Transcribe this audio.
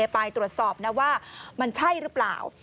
ไปตรวจสอบนะว่ามันใช่หรือเปล่า